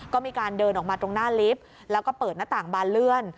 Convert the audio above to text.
ก็มีการเดินออกมาตรงหน้าลิฟต์แล้วก็เปิดหน้าต่างบานเลื่อน